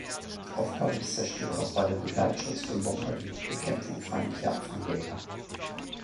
Aufgabe des Zerstörers war der Begleitschutz für Bomber durch die Bekämpfung feindlicher Abfangjäger.